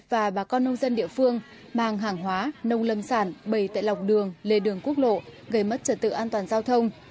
và bà con nông dân địa phương mang hàng hóa nông lâm sản bày tại lọc đường lề đường quốc lộ gây mất trở tự an toàn giao thông